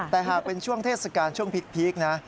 แต่หากเป็นช่วงเทศกาลช่วงพีคนะ